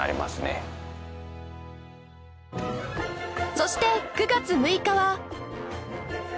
そして９月６日は